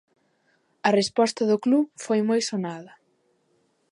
A resposta do club foi moi sonada.